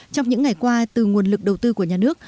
trong những ngày qua từ nguồn lực đầu tư của nhà nước